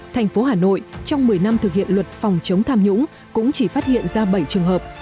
thành phố hà nội trong một mươi năm thực hiện luật phòng chống tham nhũng cũng chỉ phát hiện ra bảy trường hợp